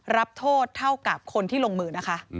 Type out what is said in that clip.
รับโทษเท่ากับคนที่ลงมือนะคะ